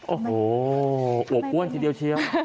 โอ้โหอวบอ้วนทีเดียวเชียว